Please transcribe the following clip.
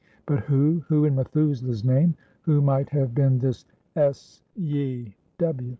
But who, who in Methuselah's name, who might have been this "S. ye W?"